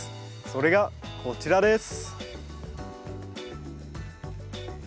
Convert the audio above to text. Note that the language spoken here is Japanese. それがこちらです。